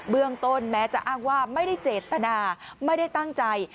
ต้นแม้จะอ้างว่าไม่ได้เจตนาไม่ได้ตั้งใจ